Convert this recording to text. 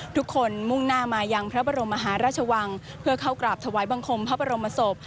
มุ่งหน้ามายังพระบรมมหาราชวังเพื่อเข้ากราบถวายบังคมพระบรมศพ